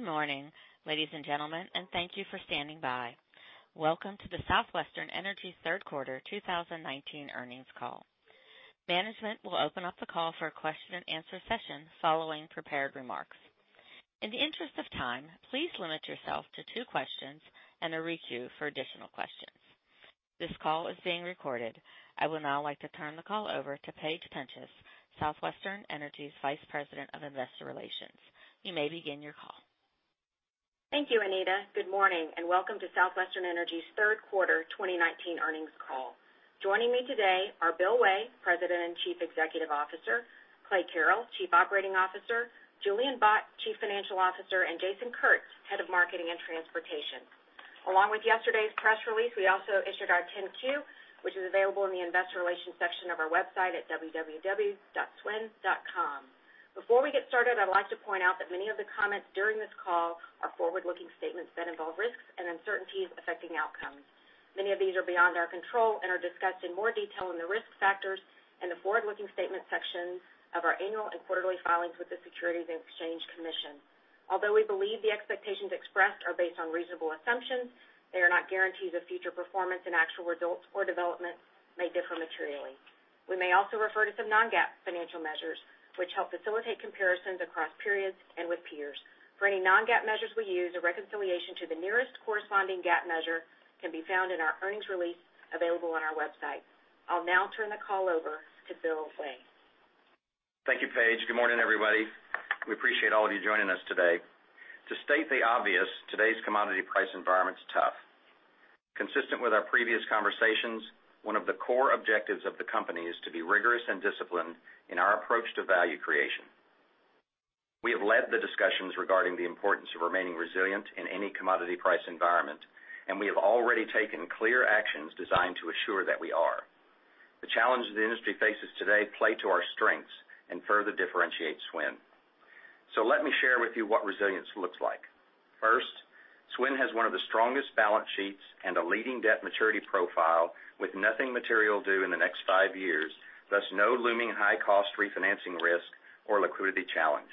Good morning, ladies and gentlemen, and thank you for standing by. Welcome to the Southwestern Energy Company third quarter 2019 earnings call. Management will open up the call for a question and answer session following prepared remarks. In the interest of time, please limit yourself to two questions and a re-queue for additional questions. This call is being recorded. I would now like to turn the call over to Paige Pencis, Southwestern Energy Company's Vice President of Investor Relations. You may begin your call. Thank you, Anita. Good morning and welcome to Southwestern Energy's third quarter 2019 earnings call. Joining me today are Bill Way, President and Chief Executive Officer, Clay Carrell, Chief Operating Officer, Julian Bott, Chief Financial Officer, and Jason Kurtz, Head of Marketing and Transportation. Along with yesterday's press release, we also issued our 10-Q, which is available in the investor relations section of our website at www.swn.com. Before we get started, I'd like to point out that many of the comments during this call are forward-looking statements that involve risks and uncertainties affecting outcomes. Many of these are beyond our control and are discussed in more detail in the risk factors and the forward-looking statement sections of our annual and quarterly filings with the Securities and Exchange Commission. Although we believe the expectations expressed are based on reasonable assumptions, they are not guarantees of future performance, and actual results or developments may differ materially. We may also refer to some non-GAAP financial measures, which help facilitate comparisons across periods and with peers. For any non-GAAP measures we use, a reconciliation to the nearest corresponding GAAP measure can be found in our earnings release available on our website. I'll now turn the call over to Bill Way. Thank you, Paige. Good morning, everybody. We appreciate all of you joining us today. To state the obvious, today's commodity price environment's tough. Consistent with our previous conversations, one of the core objectives of the company is to be rigorous and disciplined in our approach to value creation. We have led the discussions regarding the importance of remaining resilient in any commodity price environment. We have already taken clear actions designed to assure that we are. The challenges the industry faces today play to our strengths and further differentiate SWN. Let me share with you what resilience looks like. First, SWN has one of the strongest balance sheets and a leading debt maturity profile with nothing material due in the next five years, thus no looming high-cost refinancing risk or liquidity challenge.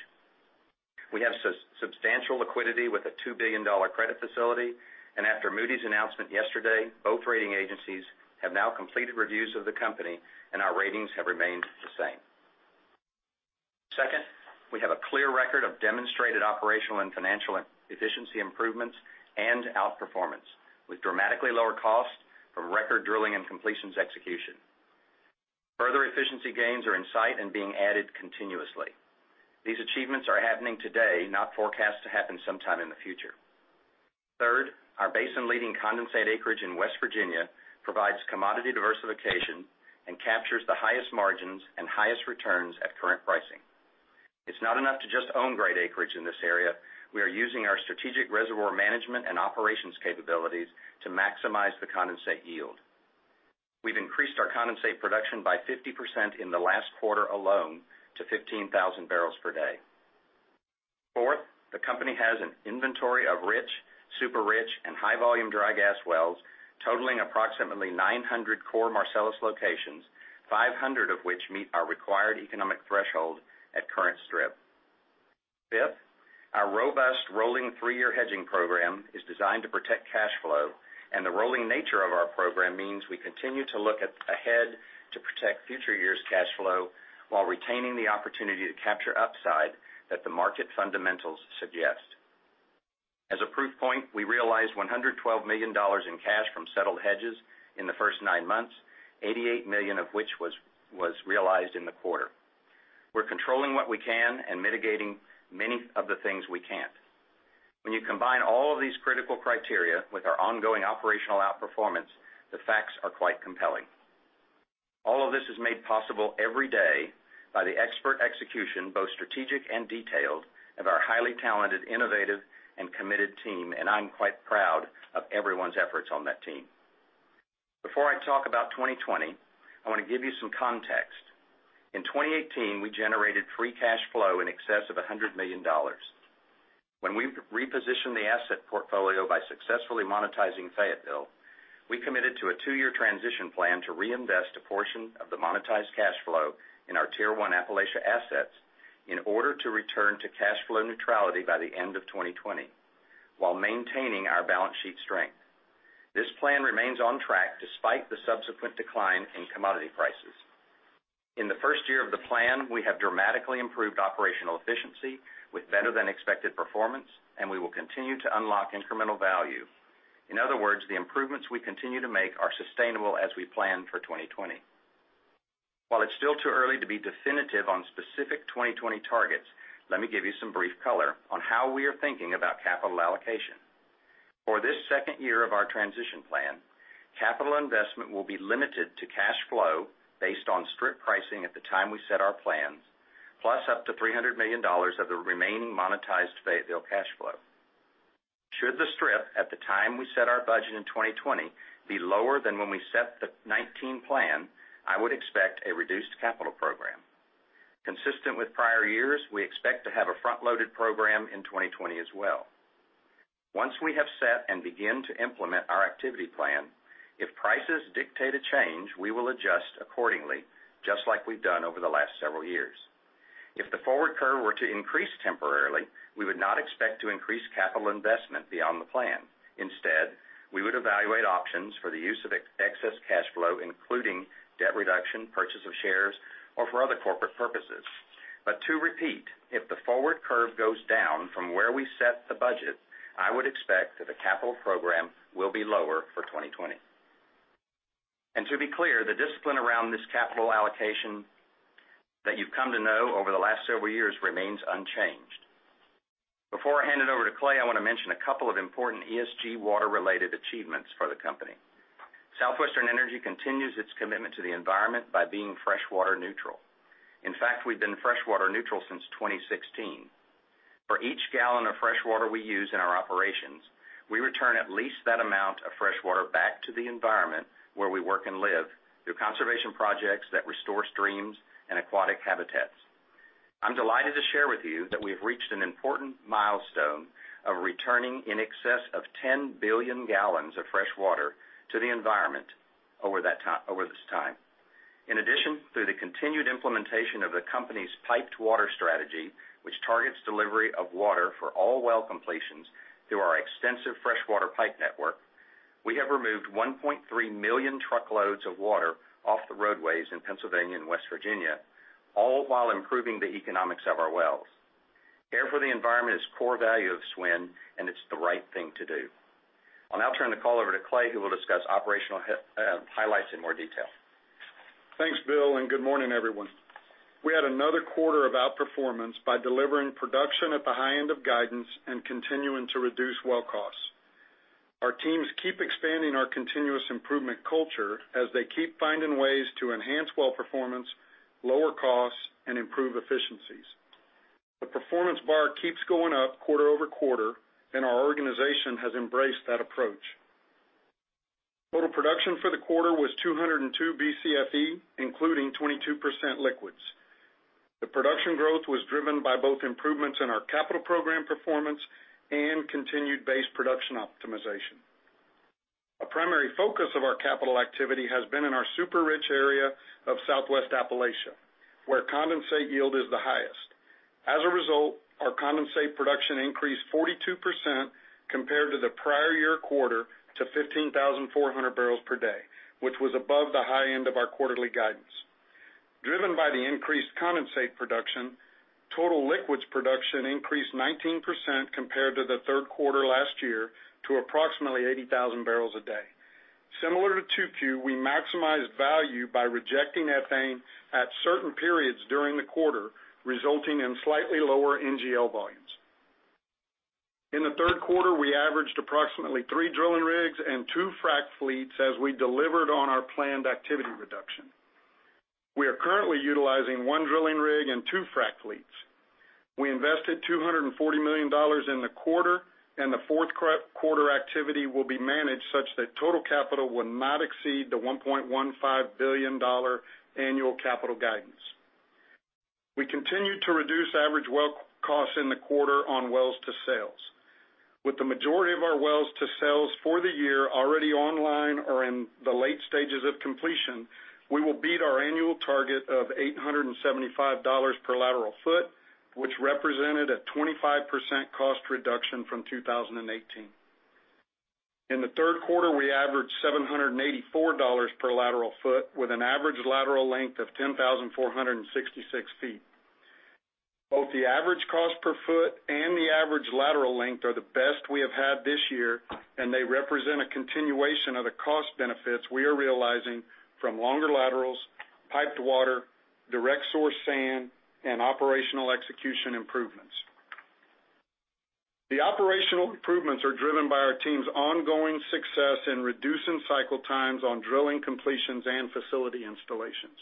We have substantial liquidity with a $2 billion credit facility, and after Moody's announcement yesterday, both rating agencies have now completed reviews of the company, and our ratings have remained the same. Second, we have a clear record of demonstrated operational and financial efficiency improvements and outperformance, with dramatically lower costs from record Drilling and completions execution. Further efficiency gains are in sight and being added continuously. These achievements are happening today, not forecast to happen sometime in the future. Third, our basin-leading condensate acreage in West Virginia provides commodity diversification and captures the highest margins and highest returns at current pricing. It's not enough to just own great acreage in this area. We are using our strategic reservoir management and operations capabilities to maximize the condensate yield. We've increased our condensate production by 50% in the last quarter alone to 15,000 barrels per day. Fourth, the company has an inventory of rich, super-rich, and high-volume dry gas wells totaling approximately 900 core Marcellus locations, 500 of which meet our required economic threshold at current strip. Fifth, our robust rolling three-year hedging program is designed to protect cash flow, and the rolling nature of our program means we continue to look ahead to protect future years' cash flow while retaining the opportunity to capture upside that the market fundamentals suggest. As a proof point, we realized $112 million in cash from settled hedges in the first nine months, $88 million of which was realized in the quarter. We're controlling what we can and mitigating many of the things we can't. When you combine all of these critical criteria with our ongoing operational outperformance, the facts are quite compelling. All of this is made possible every day by the expert execution, both strategic and detailed, of our highly talented, innovative, and committed team, and I'm quite proud of everyone's efforts on that team. Before I talk about 2020, I want to give you some context. In 2018, we generated free cash flow in excess of $100 million. When we repositioned the asset portfolio by successfully monetizing Fayetteville, we committed to a 2-year transition plan to reinvest a portion of the monetized cash flow in our Tier 1 Appalachia assets in order to return to cash flow neutrality by the end of 2020 while maintaining our balance sheet strength. This plan remains on track despite the subsequent decline in commodity prices. In the first year of the plan, we have dramatically improved operational efficiency with better-than-expected performance, and we will continue to unlock incremental value. In other words, the improvements we continue to make are sustainable as we plan for 2020. While it's still too early to be definitive on specific 2020 targets, let me give you some brief color on how we are thinking about capital allocation. For this second year of our transition plan, capital investment will be limited to cash flow based on strip pricing at the time we set our plans, plus up to $300 million of the remaining monetized Fayetteville cash flow. Should the strip at the time we set our budget in 2020 be lower than when we set the 2019 plan, I would expect a reduced capital program. Consistent with prior years, we expect to have a front-loaded program in 2020 as well. Once we have set and begin to implement our activity plan, if prices dictate a change, we will adjust accordingly, just like we've done over the last several years. If the forward curve were to increase temporarily, we would not expect to increase capital investment beyond the plan. Instead, we would evaluate options for the use of excess cash flow, including debt reduction, purchase of shares, or for other corporate purposes. To repeat, if the forward curve goes down from where we set the budget, I would expect that the capital program will be lower for 2020. To be clear, the discipline around this capital allocation that you've come to know over the last several years remains unchanged. Before I hand it over to Clay, I want to mention a couple of important ESG water-related achievements for the company. Southwestern Energy continues its commitment to the environment by being freshwater neutral. In fact, we've been freshwater neutral since 2016. For each one gallon of freshwater we use in our operations, we return at least that amount of freshwater back to the environment where we work and live through conservation projects that restore streams and aquatic habitats. I'm delighted to share with you that we have reached an important milestone of returning in excess of 10 billion gallons of freshwater to the environment over this time. In addition, through the continued implementation of the company's piped water strategy, which targets delivery of water for all well completions through our extensive freshwater pipe network, we have removed 1.3 million truckloads of water off the roadways in Pennsylvania and West Virginia, all while improving the economics of our wells. Care for the environment is a core value of SWN, and it's the right thing to do. I'll now turn the call over to Clay, who will discuss operational highlights in more detail. Thanks, Bill, and good morning, everyone. We had another quarter of outperformance by delivering production at the high end of guidance and continuing to reduce well costs. Our teams keep expanding our continuous improvement culture as they keep finding ways to enhance well performance, lower costs, and improve efficiencies. The performance bar keeps going up quarter-over-quarter, and our organization has embraced that approach. Total production for the quarter was 202 Bcfe, including 22% liquids. The production growth was driven by both improvements in our capital program performance and continued base production optimization. A primary focus of our capital activity has been in our super-rich area of Southwest Appalachia, where condensate yield is the highest. As a result, our condensate production increased 42% compared to the prior year quarter to 15,400 barrels per day, which was above the high end of our quarterly guidance. Driven by the increased condensate production, total liquids production increased 19% compared to the third quarter last year to approximately 80,000 barrels a day. Similar to 2Q, we maximized value by rejecting ethane at certain periods during the quarter, resulting in slightly lower NGL volumes. In the third quarter, we averaged approximately three drilling rigs and two frac fleets as we delivered on our planned activity reduction. We are currently utilizing one drilling rig and two frac fleets. We invested $240 million in the quarter, and the fourth quarter activity will be managed such that total capital will not exceed the $1.15 billion annual capital guidance. We continued to reduce average well costs in the quarter on wells to sales. With the majority of our wells to sales for the year already online or in the late stages of completion, we will beat our annual target of $875 per lateral foot, which represented a 25% cost reduction from 2018. In the third quarter, we averaged $784 per lateral foot with an average lateral length of 10,466 feet. Both the average cost per foot and the average lateral length are the best we have had this year, and they represent a continuation of the cost benefits we are realizing from longer laterals, piped water, direct source sand, and operational execution improvements. The operational improvements are driven by our team's ongoing success in reducing cycle times on drilling completions and facility installations.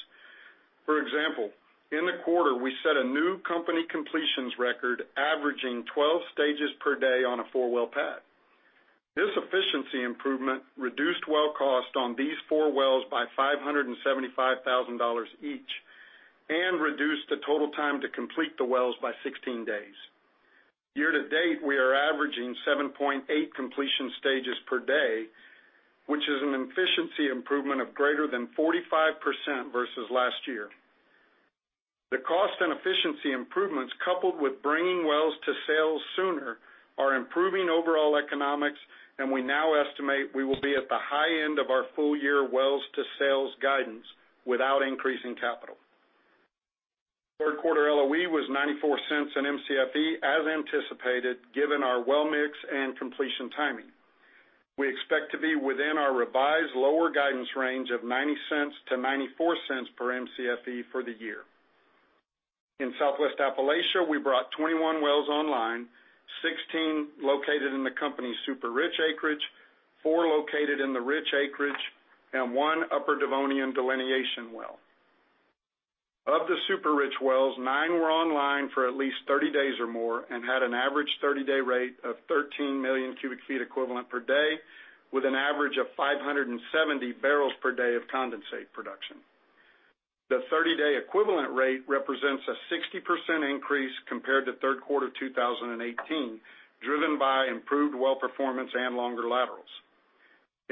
For example, in the quarter, we set a new company completions record, averaging 12 stages per day on a four-well pad. This efficiency improvement reduced well cost on these four wells by $575,000 each and reduced the total time to complete the wells by 16 days. Year to date, we are averaging 7.8 completion stages per day, which is an efficiency improvement of greater than 45% versus last year. The cost and efficiency improvements, coupled with bringing wells to sales sooner, are improving overall economics, and we now estimate we will be at the high end of our full-year wells to sales guidance without increasing capital. Third quarter LOE was $0.94 in Mcfe as anticipated, given our well mix and completion timing. We expect to be within our revised lower guidance range of $0.90-$0.94 per Mcfe for the year. In Southwest Appalachia, we brought 21 wells online, 16 located in the company's super-rich acreage, 4 located in the rich acreage, and 1 Upper Devonian delineation well. Of the super-rich wells, nine were online for at least 30 days or more and had an average 30-day rate of 13 million cubic feet equivalent per day with an average of 570 barrels per day of condensate production. The 30-day equivalent rate represents a 60% increase compared to third quarter 2018, driven by improved well performance and longer laterals.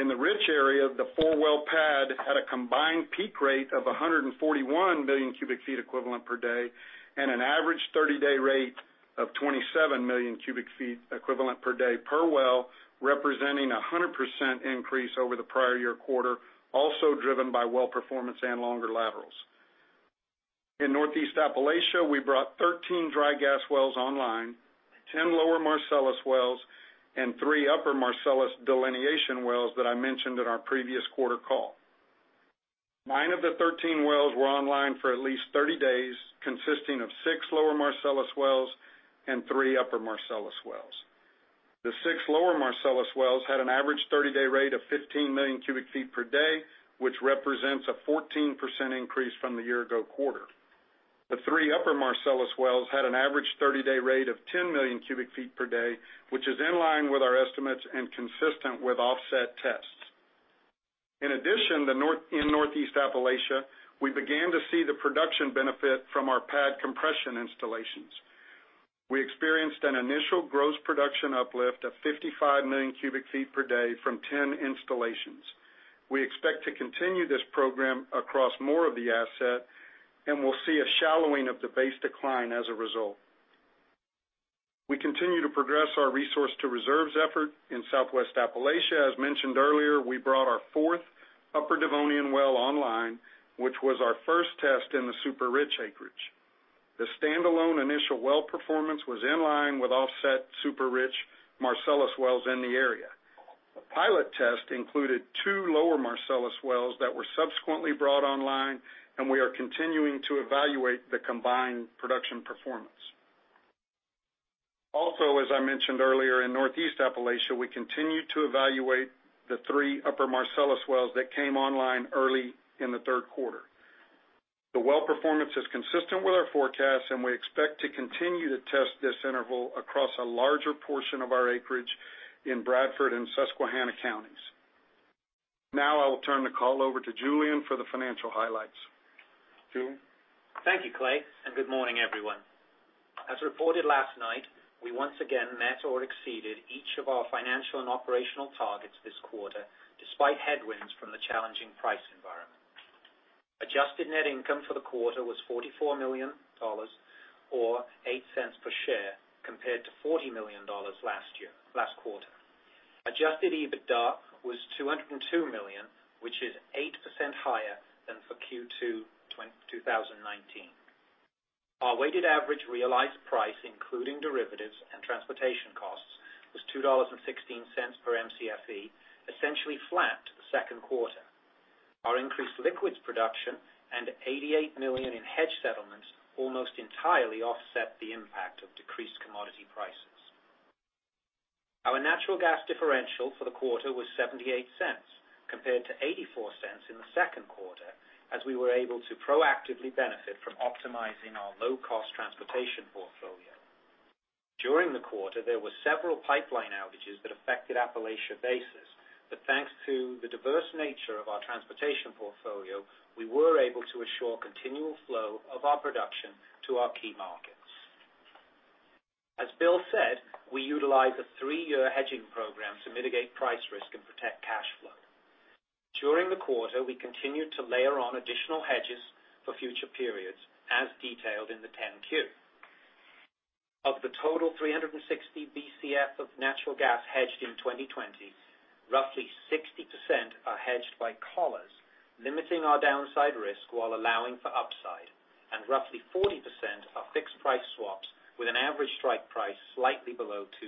In the Rich area, the four-well pad had a combined peak rate of 141 million cubic feet equivalent per day, and an average 30-day rate of 27 million cubic feet equivalent per day per well, representing 100% increase over the prior year quarter, also driven by well performance and longer laterals. In Northeast Appalachia, we brought 13 dry gas wells online, 10 Lower Marcellus wells, and three Upper Marcellus delineation wells that I mentioned in our previous quarter call. Nine of the 13 wells were online for at least 30 days, consisting of six Lower Marcellus wells and three Upper Marcellus wells. The six Lower Marcellus wells had an average 30-day rate of 15 million cubic feet per day, which represents a 14% increase from the year-ago quarter. The three Upper Marcellus wells had an average 30-day rate of 10 million cubic feet per day, which is in line with our estimates and consistent with offset tests. In addition, in Northeast Appalachia, we began to see the production benefit from our pad compression installations. We experienced an initial gross production uplift of 55 million cubic feet per day from 10 installations. We expect to continue this program across more of the asset, and we'll see a shallowing of the base decline as a result. We continue to progress our resource-to-reserves effort in Southwest Appalachia. As mentioned earlier, we brought our fourth Upper Devonian well online, which was our first test in the Super Rich acreage. The standalone initial well performance was in line with offset Super Rich Marcellus wells in the area. The pilot test included two Lower Marcellus wells that were subsequently brought online, and we are continuing to evaluate the combined production performance. Also, as I mentioned earlier, in Northeast Appalachia, we continue to evaluate the three Upper Marcellus wells that came online early in the third quarter. The well performance is consistent with our forecast, and we expect to continue to test this interval across a larger portion of our acreage in Bradford and Susquehanna counties. Now I will turn the call over to Julian for the financial highlights. Julian? Thank you, Clay. Good morning, everyone. As reported last night, we once again met or exceeded each of our financial and operational targets this quarter, despite headwinds from the challenging price environment. Adjusted net income for the quarter was $44 million, or $0.08 per share, compared to $40 million last quarter. Adjusted EBITDA was $202 million, which is 8% higher than for Q2 2019. Our weighted average realized price, including derivatives and transportation costs, was $2.16 per Mcfe, essentially flat second quarter. Our increased liquids production and $88 million in hedge settlements almost entirely offset the impact of decreased commodity prices. Our natural gas differential for the quarter was $0.78 compared to $0.84 in the second quarter, as we were able to proactively benefit from optimizing our low-cost transportation portfolio. During the quarter, there were several pipeline outages that affected Appalachia Basin. Thanks to the diverse nature of our transportation portfolio, we were able to assure continual flow of our production to our key markets. As Bill said, we utilize a three-year hedging program to mitigate price risk and protect cash flow. During the quarter, we continued to layer on additional hedges for future periods, as detailed in the 10-Q. Of the total 360 Bcf of natural gas hedged in 2020, roughly 60% are hedged by collars, limiting our downside risk while allowing for upside. Roughly 40% are fixed-price swaps with an average strike price slightly below $2.60.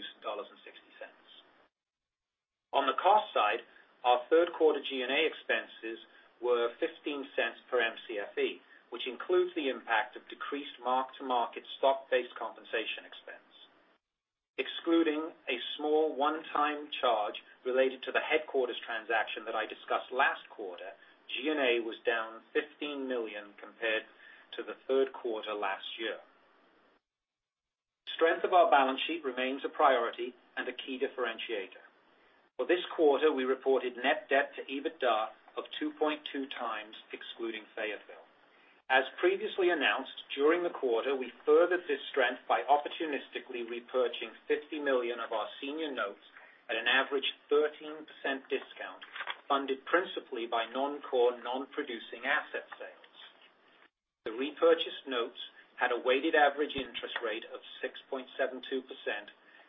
On the cost side, our third quarter G&A expenses were $0.15 per Mcfe, which includes the impact of decreased mark-to-market stock-based compensation expense. Excluding a small one-time charge related to the headquarters transaction that I discussed last quarter, G&A was down $15 million compared to the third quarter last year. Strength of our balance sheet remains a priority and a key differentiator. For this quarter, we reported net debt to EBITDA of 2.2 times, excluding Fayetteville. As previously announced, during the quarter, we furthered this strength by opportunistically repurchasing $50 million of our senior notes at an average 13% discount, funded principally by non-core, non-producing asset sales. The repurchased notes had a weighted average interest rate of 6.72%,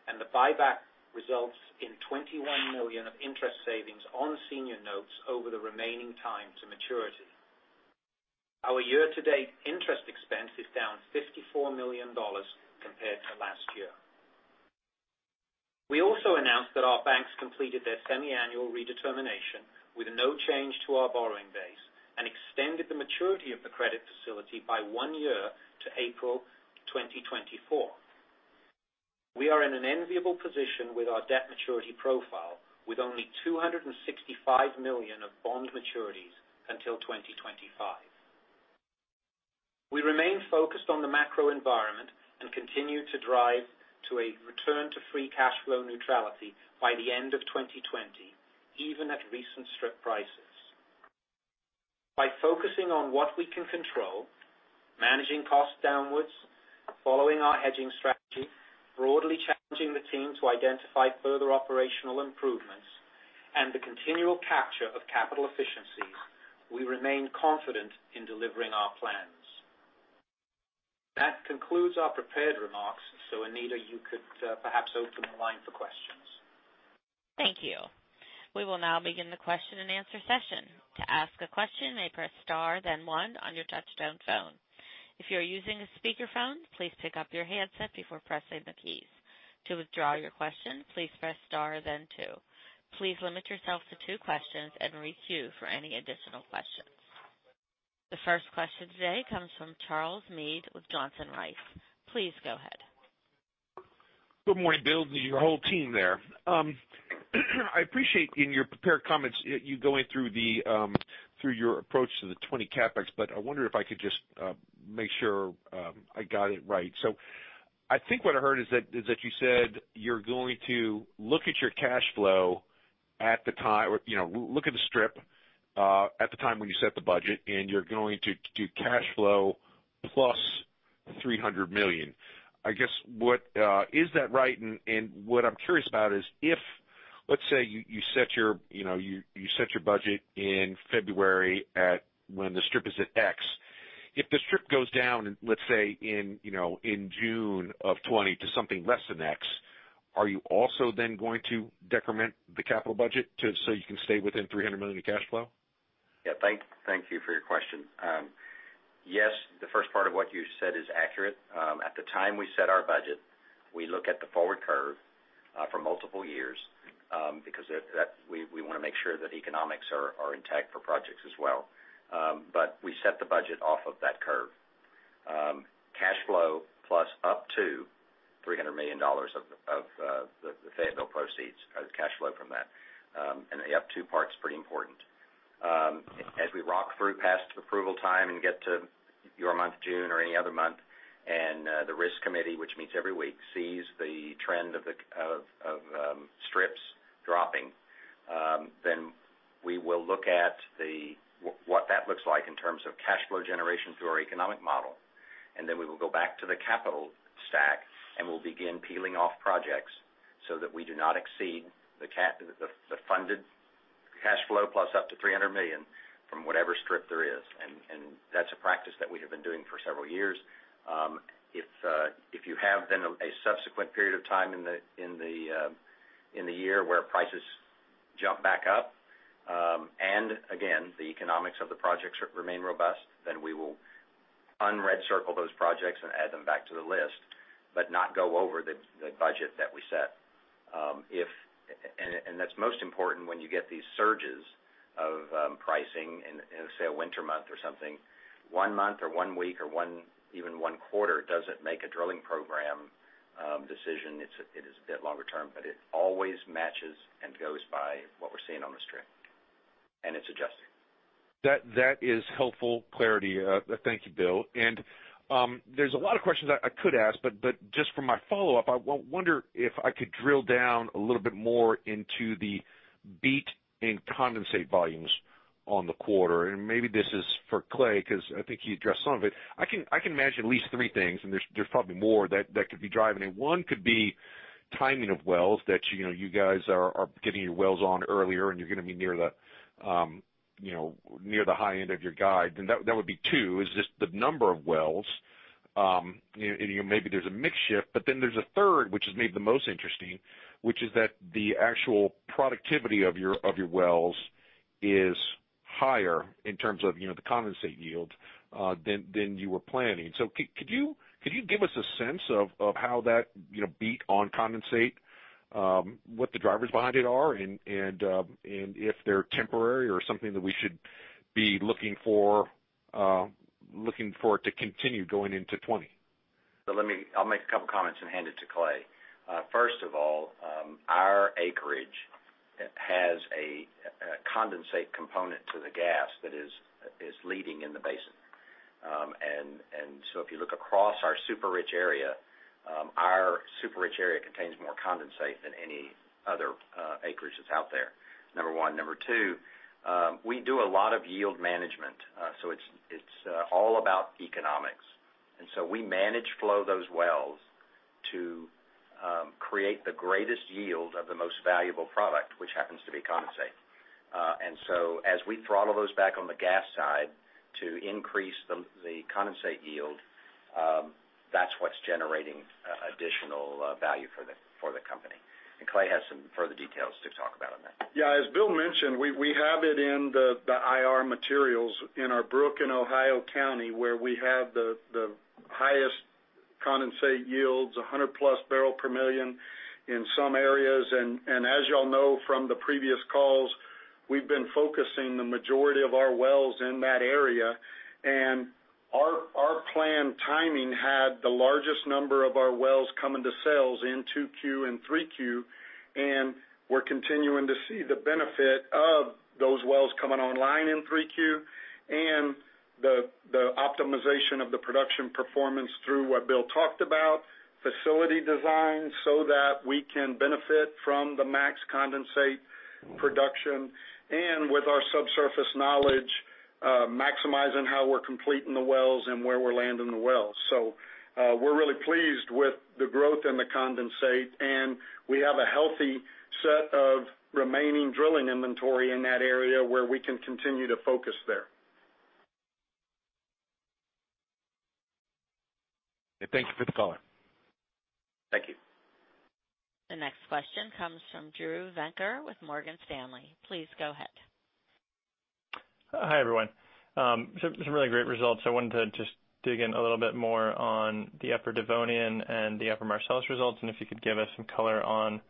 and the buyback results in $21 million of interest savings on senior notes over the remaining time to maturity. Our year-to-date interest expense is down $54 million compared to last year. We also announced that our banks completed their semiannual redetermination with no change to our borrowing base and extended the maturity of the credit facility by one year to April 2024. We are in an enviable position with our debt maturity profile, with only $265 million of bond maturities until 2025. We remain focused on the macro environment and continue to drive to a return to free cash flow neutrality by the end of 2020, even at recent strip prices. By focusing on what we can control, managing costs downwards, following our hedging strategy, broadly challenging the team to identify further operational improvements, and the continual capture of capital efficiencies, we remain confident in delivering our plans. Anita, you could perhaps open the line for questions. Thank you. We will now begin the question and answer session. To ask a question, may I press star then one on your touch-tone phone. If you're using a speakerphone, please pick up your handset before pressing the keys. To withdraw your question, please press star then two. Please limit yourself to two questions and re-queue for any additional questions. The first question today comes from Charles Meade with Johnson Rice. Please go ahead. Good morning, Bill, and to your whole team there. I appreciate in your prepared comments, you going through your approach to the 2020 CapEx. I wonder if I could just make sure I got it right. I think what I heard is that you said you're going to look at the strip, at the time when you set the budget, and you're going to do cash flow plus $300 million. I guess, is that right? What I'm curious about is, let's say you set your budget in February when the strip is at X. If the strip goes down, let's say in June of 2020 to something less than X, are you also then going to decrement the capital budget so you can stay within $300 million in cash flow? Yeah. Thank you for your question. Yes, the first part of what you said is accurate. At the time we set our budget, we look at the forward curve for multiple years, because we want to make sure that economics are intact for projects as well. We set the budget off of that curve. Cash flow plus up to $300 million of the Fayetteville proceeds, cash flow from that. The up to part's pretty important. As we rock through past approval time and get to your month, June, or any other month, and the risk committee, which meets every week, sees the trend of strips dropping, then we will look at what that looks like in terms of cash flow generation through our economic model. We will go back to the capital stack, and we'll begin peeling off projects so that we do not exceed the funded cash flow plus up to $300 million from whatever strip there is. That's a practice that we have been doing for several years. If you have then a subsequent period of time in the year where prices jump back up, and again, the economics of the projects remain robust, then we will un-red circle those projects and add them back to the list, but not go over the budget that we set. That's most important when you get these surges of pricing in, say, a winter month or something. One month or one week or even one quarter doesn't make a drilling program decision. It is a bit longer term, but it always matches and goes by what we're seeing on the strip. It's adjusted. That is helpful clarity. Thank you, Bill. There's a lot of questions I could ask, but just for my follow-up, I wonder if I could drill down a little bit more into the beat in condensate volumes on the quarter. Maybe this is for Clay, because I think he addressed some of it. I can imagine at least three things, and there's probably more that could be driving it. One could be timing of wells that you guys are getting your wells on earlier, and you're going to be near the high end of your guide. That would be two is just the number of wells. Maybe there's a mix shift, there's a third, which is maybe the most interesting, which is that the actual productivity of your wells is higher in terms of the condensate yield, than you were planning. Could you give us a sense of how that beat on condensate, what the drivers behind it are and if they're temporary or something that we should be looking for it to continue going into 2020? I'll make a couple of comments and hand it to Clay. First of all, our acreage has a condensate component to the gas that is leading in the basin. If you look across our super-rich area, our super-rich area contains more condensate than any other acreages out there, number 1. Number 2, we do a lot of yield management. It's all about economics. We manage flow those wells to create the greatest yield of the most valuable product, which happens to be condensate. As we throttle those back on the gas side to increase the condensate yield, that's what's generating additional value for the company. Clay has some further details to talk about on that. Yeah, as Bill mentioned, we have it in the IR materials in our Brooke and Ohio County, where we have the highest condensate yields, 100-plus barrel per million in some areas. As you all know from the previous calls, we've been focusing the majority of our wells in that area. Our planned timing had the largest number of our wells coming to sales in 2Q and 3Q, and we're continuing to see the benefit of those wells coming online in 3Q. The optimization of the production performance through what Bill talked about, facility design so that we can benefit from the max condensate production, and with our subsurface knowledge, maximizing how we're completing the wells and where we're landing the wells. We're really pleased with the growth in the condensate, and we have a healthy set of remaining drilling inventory in that area where we can continue to focus there. Thank you for the color. Thank you. The next question comes from Drew Venker with Morgan Stanley. Please go ahead. Hi, everyone. Some really great results. I wanted to just dig in a little bit more on the Upper Devonian and the Upper Marcellus results, and if you could give us some color on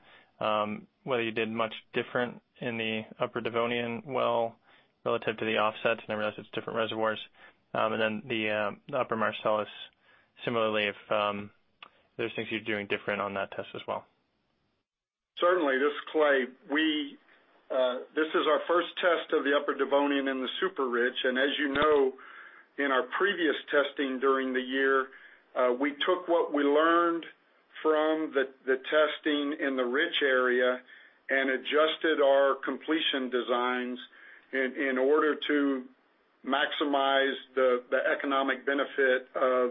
whether you did much different in the Upper Devonian well relative to the offsets. I realize it's different reservoirs. The Upper Marcellus, similarly, if there's things you're doing different on that test as well. Certainly. This is Clay. This is our first test of the Upper Devonian in the super-rich, as you know, in our previous testing during the year, we took what we learned from the testing in the rich area and adjusted our completion designs in order to maximize the economic benefit of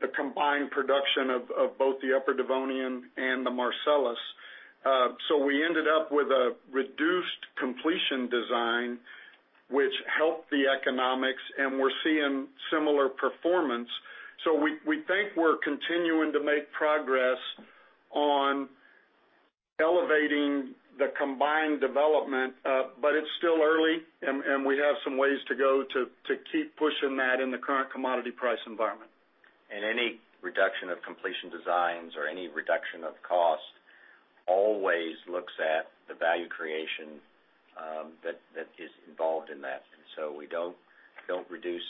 the combined production of both the Upper Devonian and the Marcellus. We ended up with a reduced completion design, which helped the economics, and we're seeing similar performance. We think we're continuing to make progress on elevating the combined development. It's still early, and we have some ways to go to keep pushing that in the current commodity price environment. Any reduction of completion designs or any reduction of cost always looks at the value creation that is involved in that. We don't reduce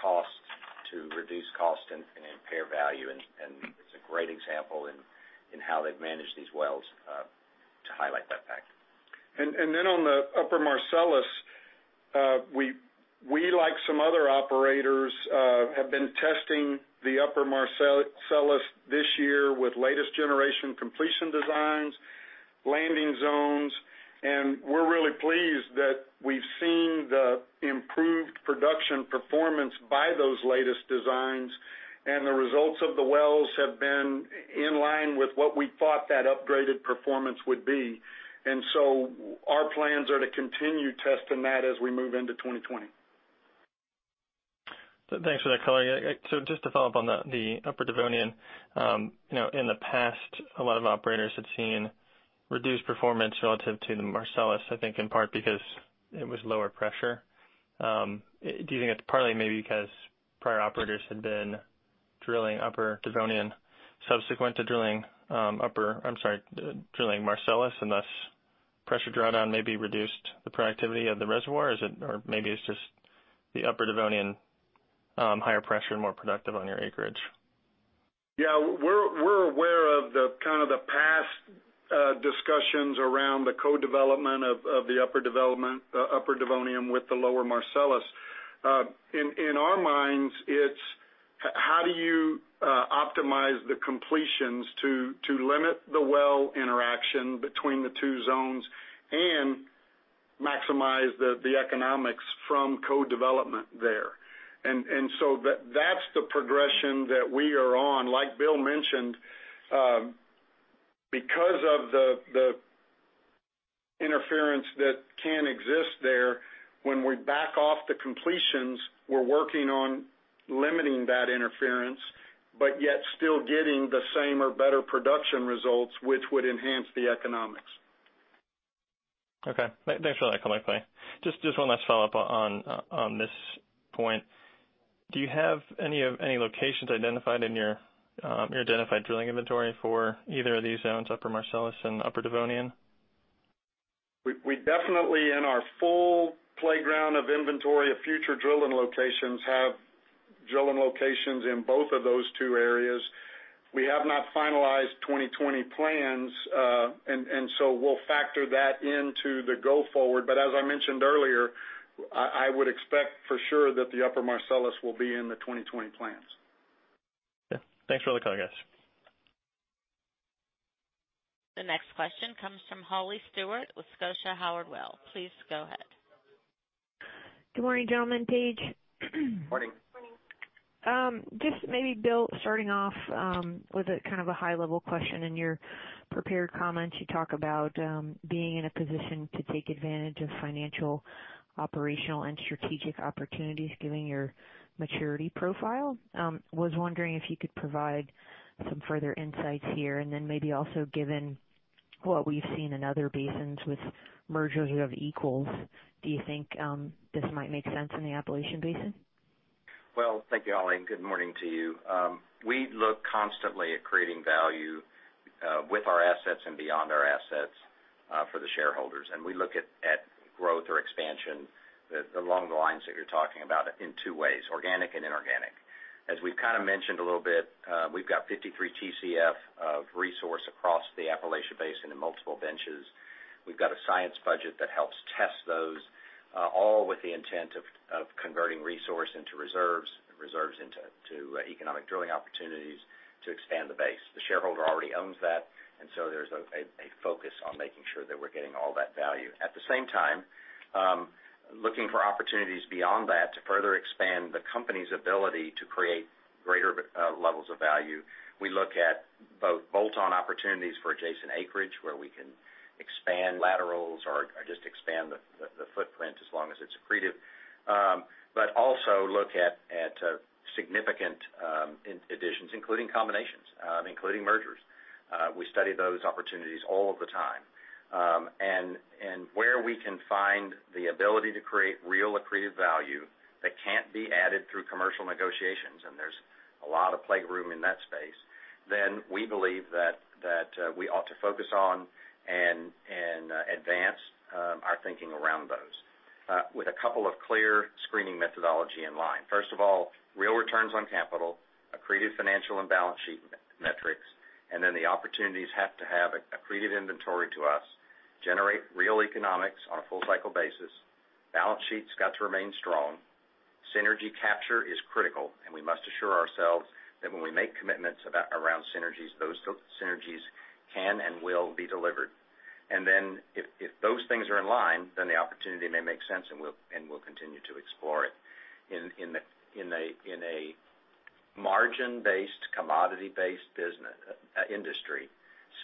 cost to reduce cost and impair value. It's a great example in how they've managed these wells to highlight that fact. On the Upper Marcellus, we, like some other operators, have been testing the Upper Marcellus this year with latest generation completion designs, landing zones. We're really pleased that we've seen the improved production performance by those latest designs, and the results of the wells have been in line with what we thought that upgraded performance would be. Our plans are to continue testing that as we move into 2020. Thanks for that color. Just to follow up on the Upper Devonian. In the past, a lot of operators had seen reduced performance relative to the Marcellus, I think in part because it was lower pressure. Do you think it's partly maybe because prior operators had been drilling Upper Devonian subsequent to drilling Marcellus, and thus pressure drawdown maybe reduced the productivity of the reservoir? Maybe it's just the Upper Devonian, higher pressure and more productive on your acreage. Yeah. We're aware of the past discussions around the co-development of the Upper Devonian with the Lower Marcellus. In our minds, it's how do you optimize the completions to limit the well interaction between the two zones and maximize the economics from co-development there. That's the progression that we are on. Like Bill mentioned, because of the interference that can exist there, when we back off the completions, we're working on limiting that interference, but yet still getting the same or better production results, which would enhance the economics. Okay. Thanks for that color, Clay. Just one last follow-up on this point. Do you have any locations identified in your identified drilling inventory for either of these zones, Upper Marcellus and Upper Devonian? We definitely, in our full playground of inventory of future drilling locations, have drilling locations in both of those two areas. We have not finalized 2020 plans. We'll factor that into the go forward. As I mentioned earlier, I would expect for sure that the Upper Marcellus will be in the 2020 plans. Yeah. Thanks for all the color, guys. The next question comes from Holly Stewart with Scotia Howard Weil. Please go ahead. Good morning, gentlemen. Paige. Morning. Just maybe, Bill, starting off with a high-level question. In your prepared comments, you talk about being in a position to take advantage of financial, operational, and strategic opportunities given your maturity profile. Was wondering if you could provide some further insights here, and then maybe also given what we've seen in other basins with mergers of equals, do you think this might make sense in the Appalachian Basin? Well, thank you, Holly, and good morning to you. We look constantly at creating value with our assets and beyond our assets for the shareholders. We look at growth or expansion along the lines that you're talking about in two ways, organic and inorganic. As we've kind of mentioned a little bit, we've got 53 TCF of resource across the Appalachian Basin in multiple benches. We've got a science budget that helps test those, all with the intent of converting resource into reserves, and reserves into economic drilling opportunities to expand the base. The shareholder already owns that, and so there's a focus on making sure that we're getting all that value. At the same time, looking for opportunities beyond that to further expand the company's ability to create greater levels of value. We look at both bolt-on opportunities for adjacent acreage, where we can expand laterals or just expand the footprint as long as it's accretive. Also look at significant additions, including combinations, including mergers. We study those opportunities all of the time. Where we can find the ability to create real accretive value that can't be added through commercial negotiations, and there's a lot of playroom in that space, then we believe that we ought to focus on and advance our thinking around those. With a couple of clear screening methodology in line. First of all, real returns on capital, accretive financial and balance sheet metrics, and then the opportunities have to have accretive inventory to us, generate real economics on a full-cycle basis. Balance sheet's got to remain strong. Synergy capture is critical, and we must assure ourselves that when we make commitments around synergies, those synergies can and will be delivered. If those things are in line, then the opportunity may make sense and we'll continue to explore it. In a margin-based, commodity-based industry,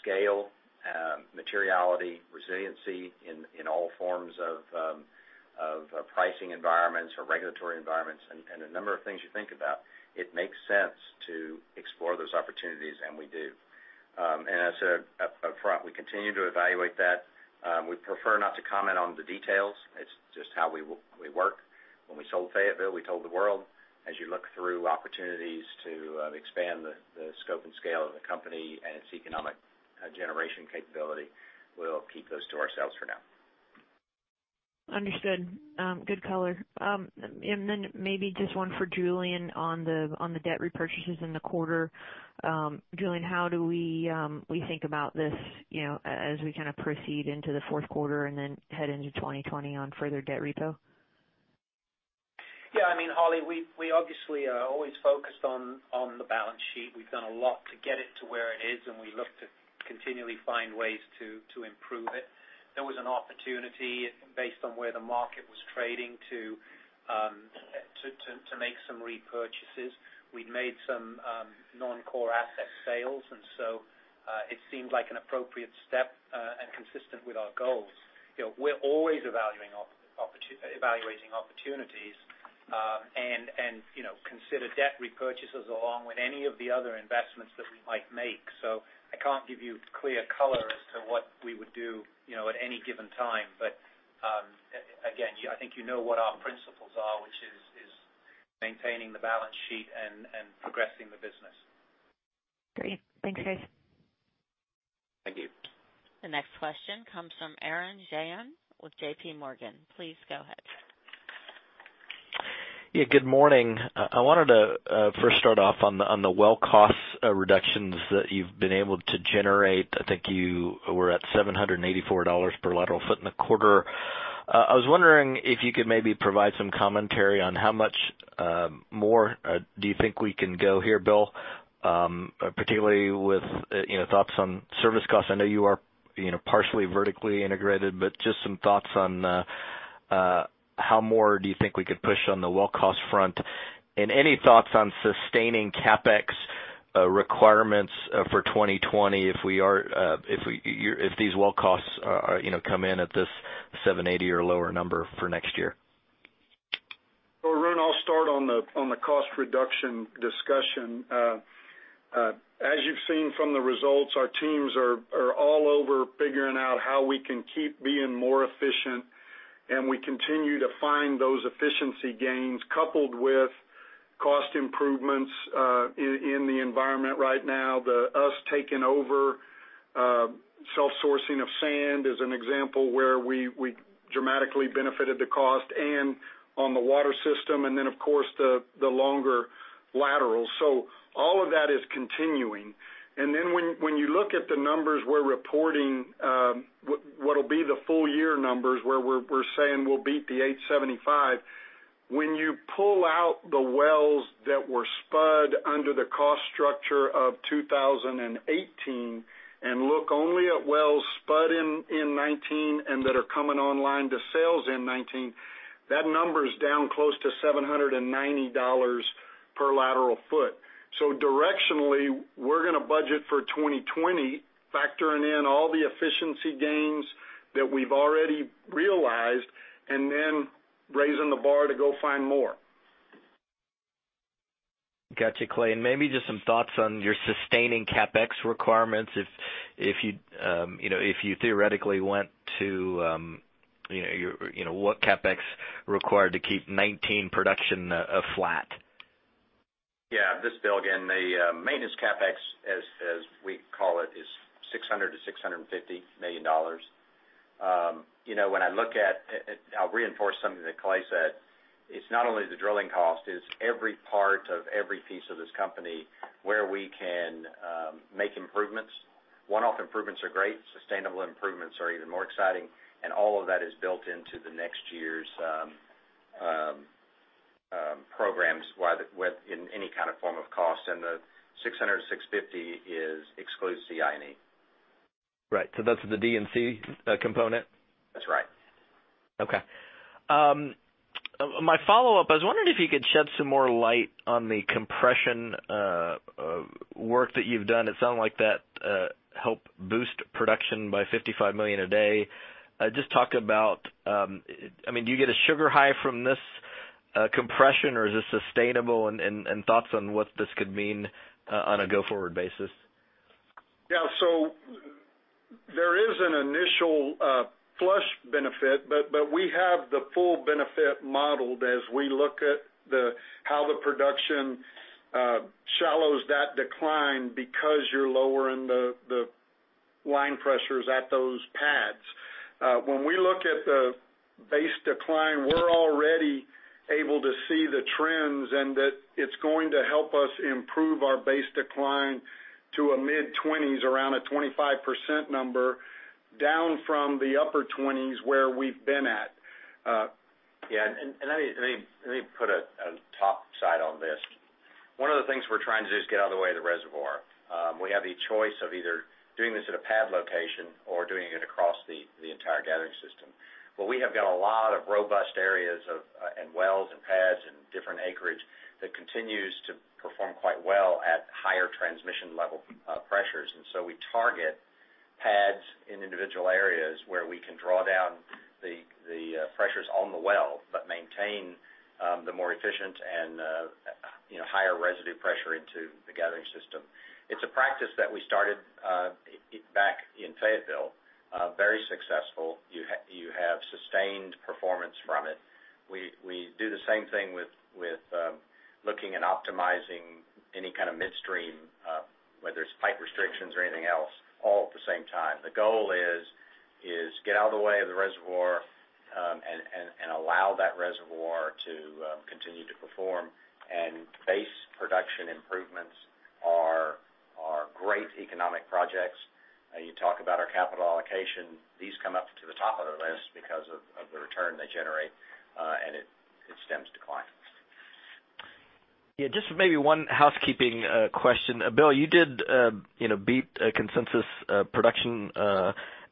scale, materiality, resiliency in all forms of pricing environments or regulatory environments, and a number of things you think about, it makes sense to explore those opportunities, and we do. As a front, we continue to evaluate that. We prefer not to comment on the details. It's just how we work. When we sold Fayetteville, we told the world. As you look through opportunities to expand the scope and scale of the company and its economic generation capability, we'll keep those to ourselves for now. Understood. Good color. Then maybe just one for Julian on the debt repurchases in the quarter. Julian, how do we think about this as we proceed into the Fourth Quarter and then head into 2020 on further debt repo? Yeah, Holly, we obviously are always focused on the balance sheet. We've done a lot to get it to where it is, and we look to continually find ways to improve it. There was an opportunity based on where the market was trading to make some repurchases. We'd made some non-core asset sales, and so it seemed like an appropriate step and consistent with our goals. We're always evaluating opportunities and consider debt repurchases along with any of the other investments that we might make. I can't give you clear color as to what we would do at any given time. Again, I think you know what our principles are, which is maintaining the balance sheet and progressing the business. Great. Thanks, guys. Thank you. The next question comes from Arun Jayaram with JPMorgan. Please go ahead. Yeah, good morning. I wanted to first start off on the well cost reductions that you've been able to generate. I think you were at $784 per lateral foot in the quarter. I was wondering if you could maybe provide some commentary on how much more do you think we can go here, Bill? Particularly with thoughts on service costs. I know you are partially vertically integrated. Just some thoughts on how more do you think we could push on the well cost front? Any thoughts on sustaining CapEx requirements for 2020 if these well costs come in at this 780 or lower number for next year? Arun, I'll start on the cost reduction discussion. As you've seen from the results, our teams are all over figuring out how we can keep being more efficient, and we continue to find those efficiency gains coupled with cost improvements in the environment right now. The us taking over self-sourcing of sand is an example where we dramatically benefited the cost and on the water system, then of course, the longer laterals. All of that is continuing. When you look at the numbers we're reporting, what'll be the full year numbers where we're saying we'll beat the $875. When you pull out the wells that were spud under the cost structure of 2018 and look only at wells spud in 2019 and that are coming online to sales in 2019, that number is down close to $790 per lateral foot. Directionally, we're going to budget for 2020, factoring in all the efficiency gains that we've already realized, raising the bar to go find more. Got you, Clay. Maybe just some thoughts on your sustaining CapEx requirements. If you theoretically went to what CapEx required to keep 2019 production flat. Yeah. This is Bill again. The maintenance CapEx, as we call it, is $600 million-$650 million. I'll reinforce something that Clay said. It's not only the drilling cost, it's every part of every piece of this company where we can make improvements. One-off improvements are great. Sustainable improvements are even more exciting. All of that is built into the next year's programs with any kind of form of cost. The 600 to 650 is exclusive C, I, and E. Right. That's the Drilling and Completion component? That's right. Okay. My follow-up, I was wondering if you could shed some more light on the compression work that you've done. It sounded like that helped boost production by 55 million a day. Just talk about, do you get a sugar high from this compression or is this sustainable? Thoughts on what this could mean on a go-forward basis. Yeah. There is an initial flush benefit. We have the full benefit modeled as we look at how the production shallows that decline because you're lowering the line pressures at those pads. When we look at the base decline, we're already able to see the trends and that it's going to help us improve our base decline to a mid-20s, around a 25% number, down from the upper 20s where we've been at. Yeah. Let me put a top side on this. One of the things we're trying to do is get out of the way of the reservoir. We have a choice of either doing this at a pad location or doing it across the entire gathering system. We have got a lot of robust areas and wells and pads and different acreage that continues to perform quite well at higher transmission level pressures. We target pads in individual areas where we can draw down the pressures on the well, but maintain the more efficient and higher residue pressure into the gathering system. It's a practice that we started back in Fayetteville. Very successful. You have sustained performance from it. We do the same thing with looking and optimizing any kind of midstream, whether it's pipe restrictions or anything else, all at the same time. The goal is get out of the way of the reservoir and allow that reservoir to continue to perform. Base production improvements are great economic projects. You talk about our capital allocation, these come up to the top of the list because of the return they generate, and it stems declines. Yeah. Just maybe one housekeeping question. Bill, you did beat consensus production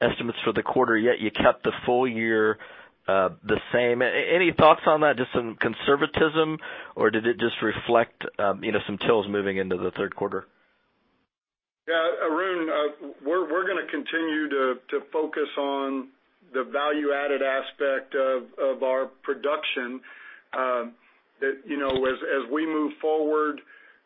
estimates for the quarter, yet you kept the full year the same. Any thoughts on that? Just some conservatism, or did it just reflect some wells moving into the third quarter? Yeah, Arun Jayaram, we're going to continue to focus on the value-added aspect of our production. As we move forward,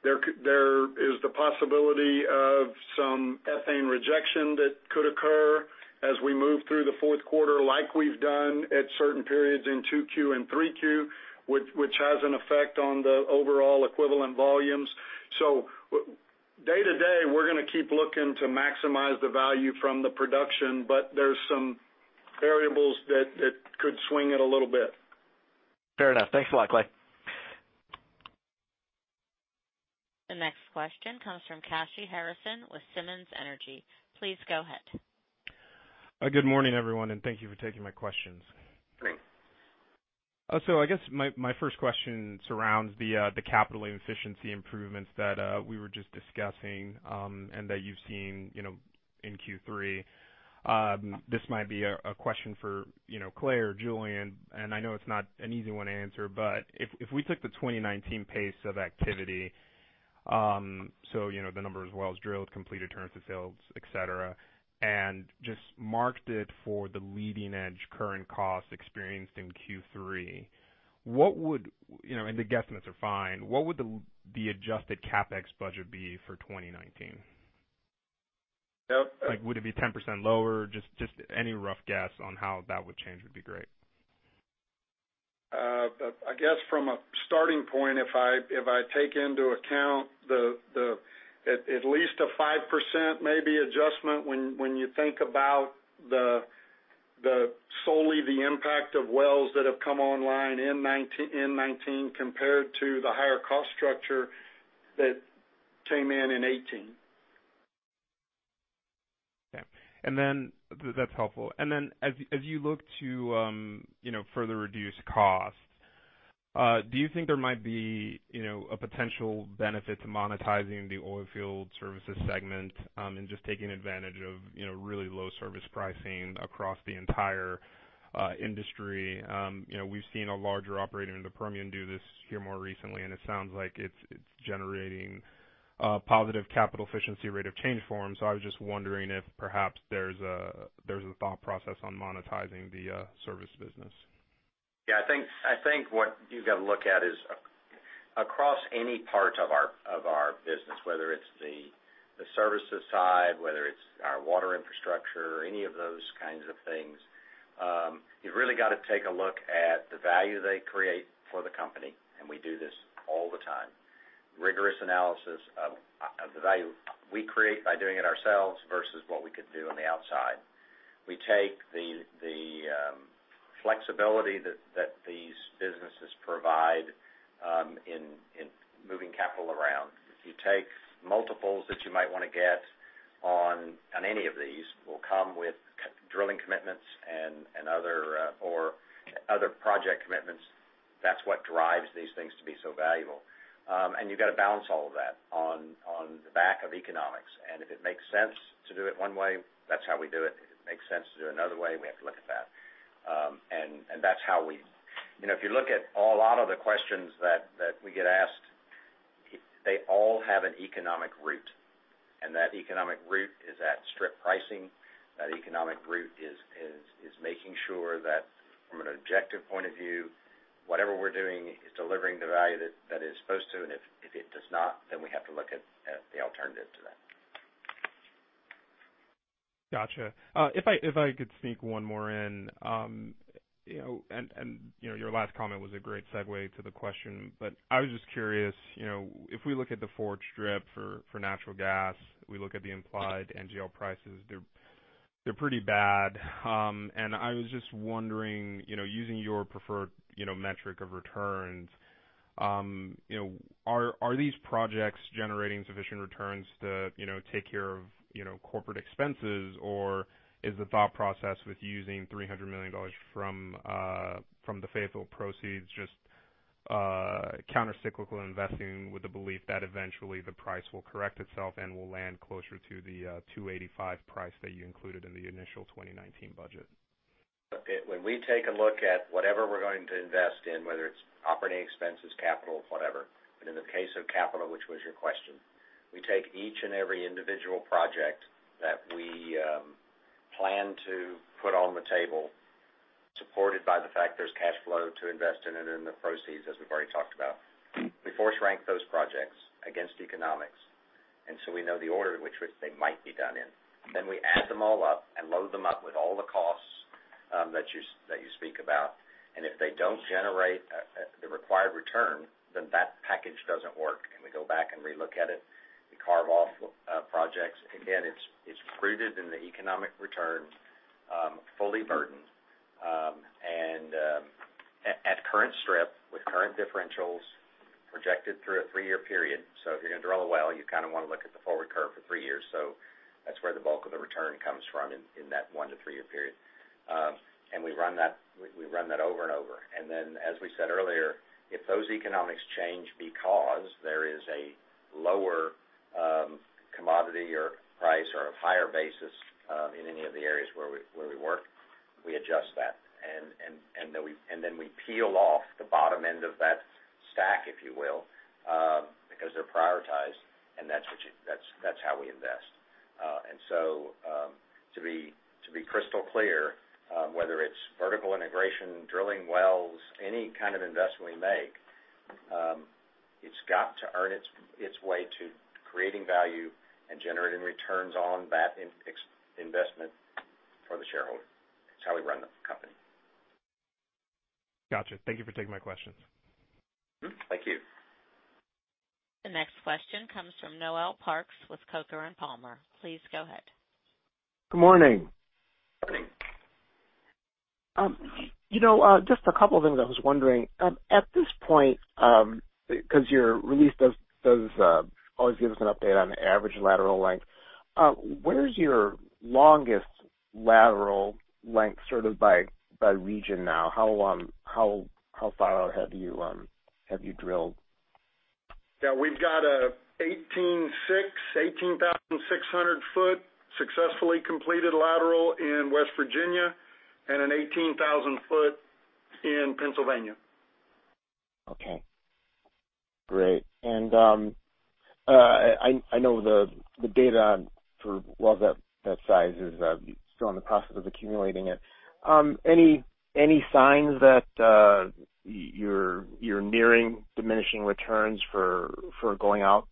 there is the possibility of some ethane rejection that could occur as we move through the 4Q like we've done at certain periods in 2Q and 3Q, which has an effect on the overall equivalent volumes. Day to day, we're going to keep looking to maximize the value from the production, but there's some variables that could swing it a little bit. Fair enough. Thanks a lot, Clay. The next question comes from Kashy Harrison with Simmons Energy. Please go ahead. Good morning, everyone, and thank you for taking my questions. Great. I guess my first question surrounds the capital efficiency improvements that we were just discussing, and that you've seen in Q3. This might be a question for Clay or Julian, and I know it's not an easy one to answer, but if we took the 2019 pace of activity, the number of wells drilled, completed, turned, fulfilled, et cetera, and just marked it for the leading edge current cost experienced in Q3, and the guesstimates are fine, what would the adjusted CapEx budget be for 2019? Yep. Would it be 10% lower? Just any rough guess on how that would change would be great. I guess from a starting point, if I take into account at least a 5% maybe adjustment when you think about solely the impact of wells that have come online in 2019 compared to the higher cost structure that came in in 2018. Okay. That's helpful. As you look to further reduce costs, do you think there might be a potential benefit to monetizing the oil field services segment and just taking advantage of really low service pricing across the entire industry? We've seen a larger operator in the Permian do this here more recently, and it sounds like it's generating a positive capital efficiency rate of change for them. I was just wondering if perhaps there's a thought process on monetizing the service business. Yeah, I think what you've got to look at is across any part of our business, whether it's the services side, whether it's our water infrastructure, any of those kinds of things, you've really got to take a look at the value they create for the company, and we do this all the time. Rigorous analysis of the value we create by doing it ourselves versus what we could do on the outside. We take the flexibility that these businesses provide in moving capital around. If you take multiples that you might want to get on any of these will come with drilling commitments or other project commitments. That's what drives these things to be so valuable. You've got to balance all of that on the back of economics. If it makes sense to do it one way, that's how we do it. If it makes sense to do it another way, we have to look at that. If you look at a lot of the questions that we get asked, they all have an economic root, and that economic root is at strip pricing. That economic root is making sure that from an objective point of view, whatever we're doing is delivering the value that it's supposed to, and if it does not, then we have to look at the alternative to that. Got you. If I could sneak one more in, and your last comment was a great segue to the question, but I was just curious, if we look at the forward strip for natural gas, we look at the implied NGL prices, they're pretty bad. I was just wondering, using your preferred metric of returns, are these projects generating sufficient returns to take care of corporate expenses? Is the thought process with using $300 million from the Fayetteville proceeds just counter-cyclical investing with the belief that eventually the price will correct itself and will land closer to the 285 price that you included in the initial 2019 budget? When we take a look at whatever we're going to invest in, whether it's operating expenses, capital, whatever, but in the case of capital, which was your question, we take each and every individual project that we plan to put on the table, supported by the fact there's cash flow to invest in it and the proceeds, as we've already talked about. We force rank those projects against economics, we know the order in which they might be done in. We add them all up and load them up with all the costs that you speak about, and if they don't generate the required return, then that package doesn't work, and we go back and re-look at it. We carve off projects. Again, it's rooted in the economic return, fully burdened, and at current strip with current differentials projected through a three-year period. If you're going to drill a well, you want to look at the forward curve for three years. That's where the bulk of the return comes from in that one to three-year period. We run that over and over. As we said earlier, if those economics change because there is a lower commodity or price or a higher basis in any of the areas where we work, we adjust that. We peel off the bottom end of that stack, if you will because they're prioritized, and that's how we invest. To be crystal clear whether it's vertical integration, drilling wells, any kind of investment we make it's got to earn its way to creating value and generating returns on that investment for the shareholder. It's how we run the company. Got you. Thank you for taking my questions. Thank you. The next question comes from Noel Parks with Coker & Palmer. Please go ahead. Good morning. Morning. Just a couple of things I was wondering. At this point, because your release does always give us an update on average lateral length, where's your longest lateral length by region now? How far out have you drilled? Yeah, we've got a 18,600 foot successfully completed lateral in West Virginia and an 18,000 foot in Pennsylvania. Okay, great. I know the data for wells that size is still in the process of accumulating it. Any signs that you're nearing diminishing returns for going out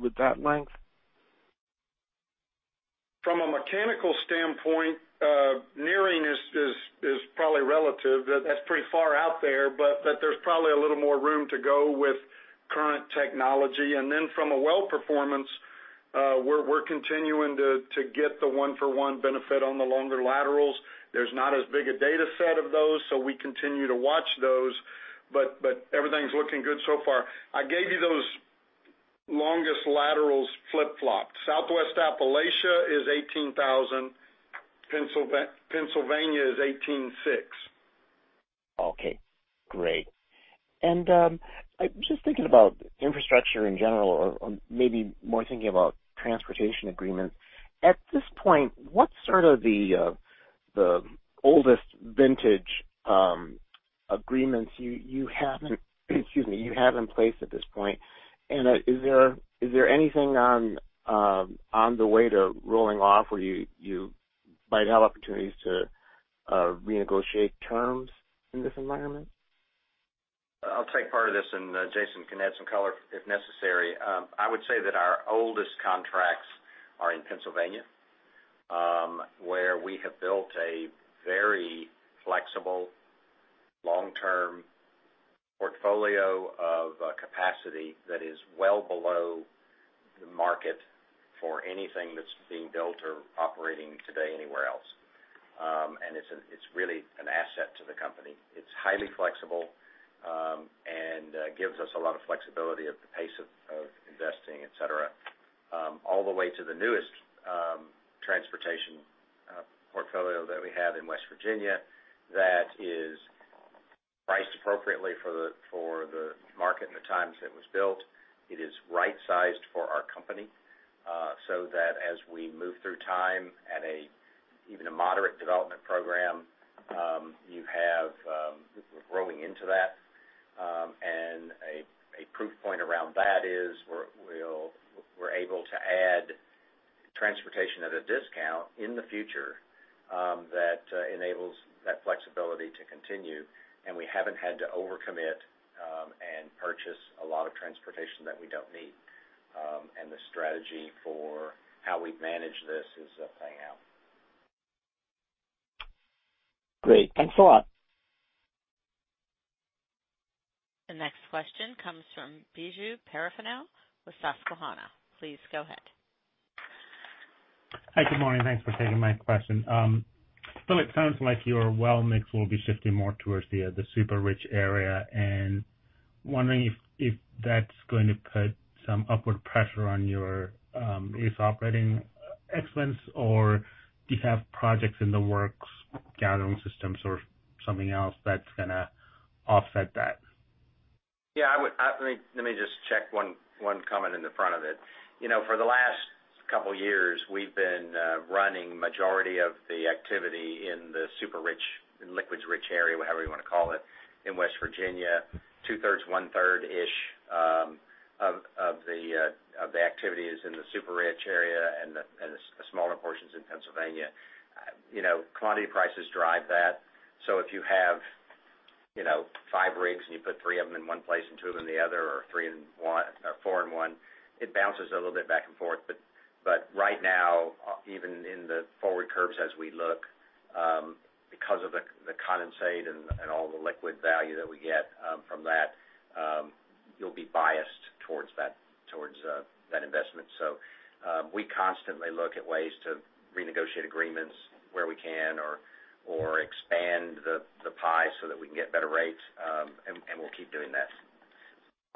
with that length? From a mechanical standpoint, nearing is probably relative. That's pretty far out there. There's probably a little more room to go with current technology. From a well performance, we're continuing to get the one for one benefit on the longer laterals. There's not as big a data set of those, so we continue to watch those. Everything's looking good so far. I gave you those longest laterals flip-flopped. Southwest Appalachia is 18,000. Pennsylvania is 18,600. Okay, great. Just thinking about infrastructure in general or maybe more thinking about transportation agreements. At this point, what's the oldest vintage agreements you have in place at this point, and is there anything on the way to rolling off where you might have opportunities to renegotiate terms in this environment? I'll take part of this and Jason can add some color if necessary. I would say that our oldest contracts are in Pennsylvania, where we have built a very flexible long-term portfolio of capacity that is well below the market for anything that's being built or operating today anywhere else. It's really an asset to the company. It's highly flexible and gives us a lot of flexibility at the pace of investing, et cetera. All the way to the newest transportation portfolio that we have in West Virginia that is priced appropriately for the market and the times it was built. It is right-sized for our company, so that as we move through time at even a moderate development program, we're growing into that. A proof point around that is we're able to add transportation at a discount in the future that enables that flexibility to continue. We haven't had to overcommit and purchase a lot of transportation that we don't need. The strategy for how we manage this is playing out. Great. Thanks a lot. The next question comes from Biju Perincheril with Susquehanna. Please go ahead. Hi. Good morning. Thanks for taking my question. Bill, it sounds like your well mix will be shifting more towards the super-rich area. Wondering if that's going to put some upward pressure on your lease operating expense? Do you have projects in the works, gathering systems, or something else that's going to offset that? Yeah. Let me just check one comment in the front of it. For the last couple of years, we've been running majority of the activity in the super-rich, in liquids-rich area, whatever you want to call it, in West Virginia. Two-thirds, one-third-ish of the activity is in the super-rich area, and the smaller portion's in Pennsylvania. Commodity prices drive that. If you have five rigs and you put three of them in one place and two of them in the other, or four in one, it bounces a little bit back and forth. Right now, even in the forward curves as we look, because of the condensate and all the liquid value that we get from that, you'll be biased towards that investment. We constantly look at ways to renegotiate agreements where we can or expand the pie so that we can get better rates, and we'll keep doing that,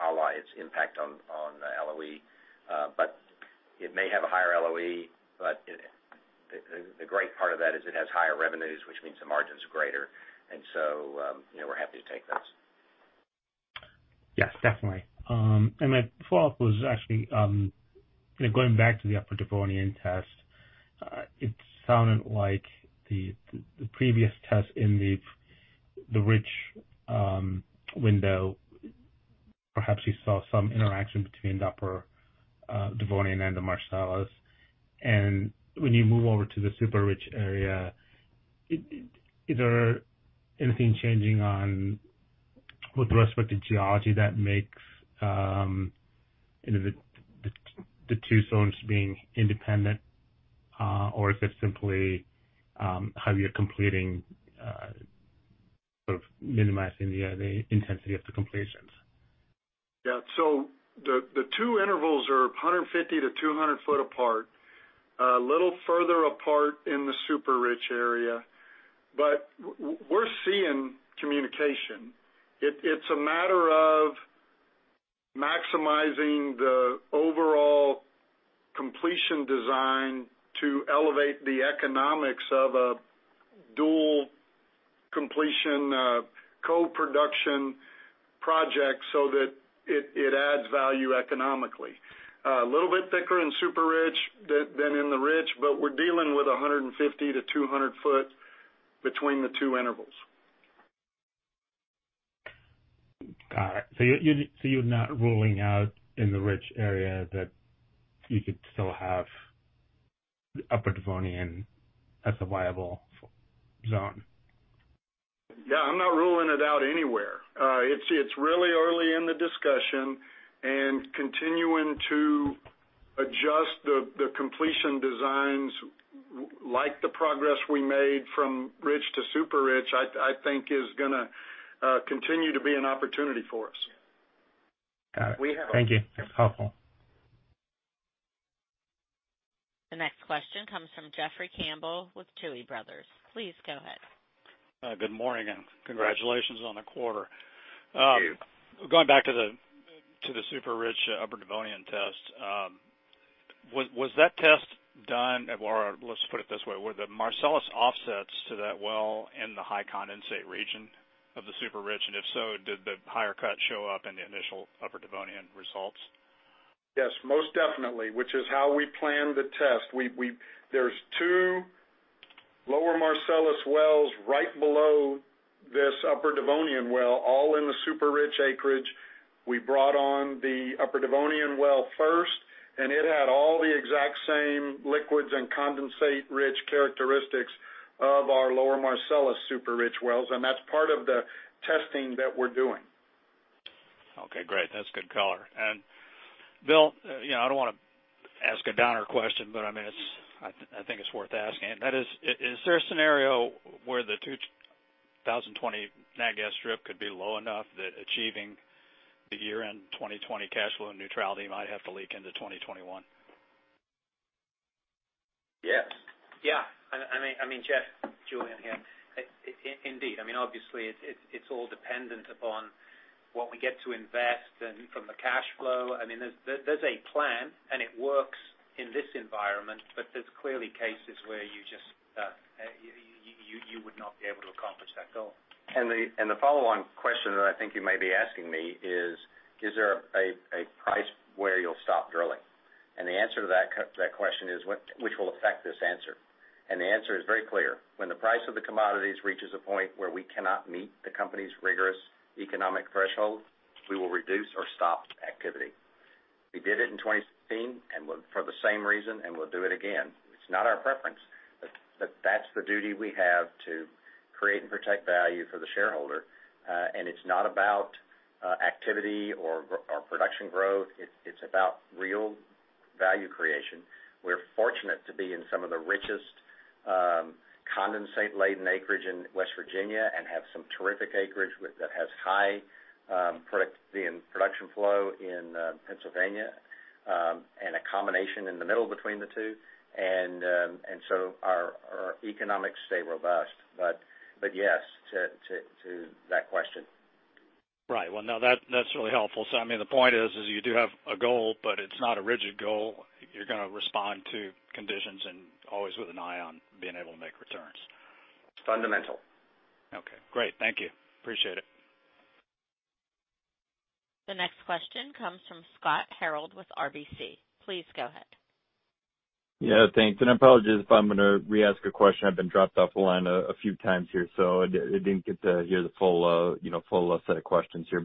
ala its impact on the LOE. It may have a higher LOE, but the great part of that is it has higher revenues, which means the margin's greater. We're happy to take those. Yes, definitely. My follow-up was actually going back to the Upper Devonian test. It sounded like the previous test in the rich window, perhaps you saw some interaction between the Upper Devonian and the Marcellus. When you move over to the super-rich area, is there anything changing on with respect to geology that makes the two zones being independent? Or is it simply how you're completing, sort of minimizing the intensity of the completions? Yeah. The two intervals are 150-200 foot apart. A little further apart in the super-rich area. We're seeing communication. It's a matter of maximizing the overall completion design to elevate the economics of a dual completion co-production project so that it adds value economically. A little bit thicker in super-rich than in the rich, but we're dealing with 150-200 foot between the two intervals. Got it. You're not ruling out in the rich area that you could still have Upper Devonian as a viable zone? Yeah, I'm not ruling it out anywhere. It's really early in the discussion, continuing to adjust the completion designs, like the progress we made from rich to super-rich, I think is going to continue to be an opportunity for us. Got it. Thank you. That's helpful. The next question comes from Jeffrey Campbell with Tuohy Brothers. Please go ahead. Good morning, and congratulations on the quarter. Thank you. Going back to the super-rich Upper Devonian test. Let's put it this way. Were the Marcellus offsets to that well in the high condensate region of the super-rich? If so, did the higher cut show up in the initial Upper Devonian results? Yes, most definitely, which is how we planned the test. There's two Lower Marcellus wells right below this Upper Devonian well, all in the super-rich acreage. We brought on the Upper Devonian well first, and it had all the exact same liquids and condensate rich characteristics of our Lower Marcellus super-rich wells, and that's part of the testing that we're doing. Okay, great. That's good color. Bill, I don't want to ask a downer question, but I think it's worth asking. That is there a scenario where the 2020 nat gas strip could be low enough that achieving the year-end 2020 cash flow neutrality might have to leak into 2021? Yes. Yeah. Julian here. Indeed. Obviously, it's all dependent upon what we get to invest and from the cash flow. There's a plan, and it works in this environment, but there's clearly cases where you would not be able to accomplish that goal. The follow-on question that I think you may be asking me is there a price where you'll stop drilling? The answer to that question is, which will affect this answer, and the answer is very clear. When the price of the commodities reaches a point where we cannot meet the company's rigorous economic threshold, we will reduce or stop activity. We did it in 2016 for the same reason, and we'll do it again. It's not our preference, but that's the duty we have to create and protect value for the shareholder. It's not about activity or production growth. It's about real value creation. We're fortunate to be in some of the richest condensate-laden acreage in West Virginia and have some terrific acreage that has high productivity and production flow in Pennsylvania, and a combination in the middle between the two. Our economics stay robust. Yes to that question. Right. Well, now that's really helpful. The point is you do have a goal, but it's not a rigid goal. You're going to respond to conditions and always with an eye on being able to make returns. Fundamental. Okay, great. Thank you. Appreciate it. The next question comes from Scott Hanold with RBC. Please go ahead. Yeah, thanks. I apologize if I'm going to re-ask a question. I've been dropped off the line a few times here, so I didn't get to hear the full set of questions here.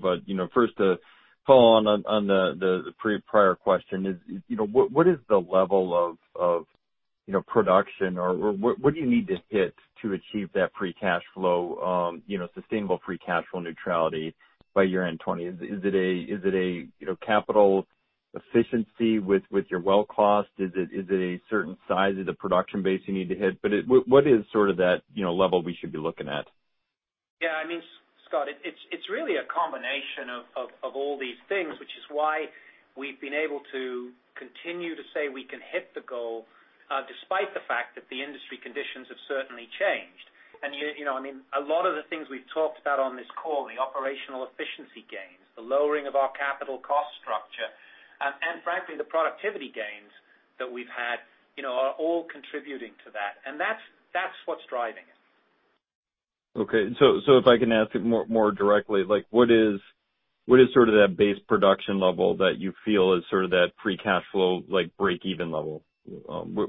First, to follow on the pre-prior question is, what is the level of production, or what do you need to hit to achieve that sustainable free cash flow neutrality by year-end 2020? Is it a capital efficiency with your well cost? Is it a certain size of the production base you need to hit? What is that level we should be looking at? Yeah. Scott, it's really a combination of all these things, which is why we've been able to continue to say we can hit the goal, despite the fact that the industry conditions have certainly changed. A lot of the things we've talked about on this call, the operational efficiency gains, the lowering of our capital cost structure, and frankly, the productivity gains that we've had are all contributing to that. That's what's driving it. Okay. If I can ask it more directly, what is that base production level that you feel is that free cash flow breakeven level?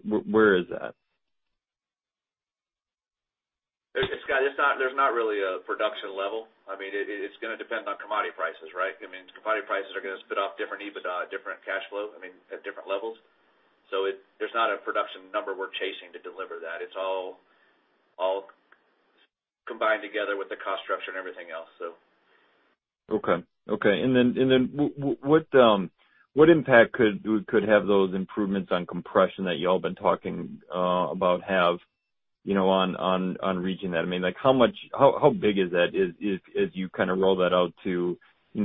Where is that? Scott, there's not really a production level. It's going to depend on commodity prices, right? Commodity prices are going to spit off different EBITDA, different cash flow at different levels. There's not a production number we're chasing to deliver that. It's all combined together with the cost structure and everything else. Okay. Then what impact could have those improvements on compression that y'all have been talking about have on reaching that? How big is that as you roll that out to